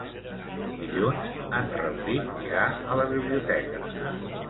Dilluns en Rauric irà a la biblioteca.